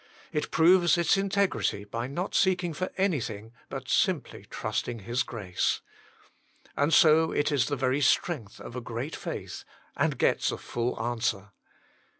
It proves its integrity by not seeking for anything, but simply trusting His grace. And so it is the very strength of a great faith, and gets a full answer.